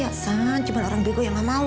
aksan cuma orang yang bego yang tidak mau